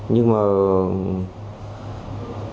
nhưng mà em mua ma túy ở trên mộc châu